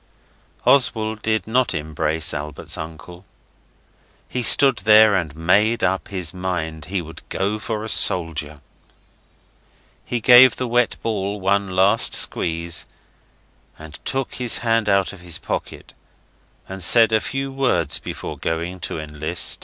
Oswald did not embrace Albert's uncle. He stood there and made up his mind he would go for a soldier. He gave the wet ball one last squeeze, and took his hand out of his pocket, and said a few words before going to enlist.